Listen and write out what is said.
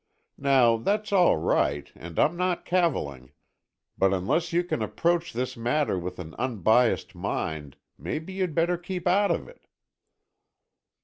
Now, that's all right, and I'm not cavilling, but unless you can approach this matter with an unbiassed mind, maybe you'd better keep out of it."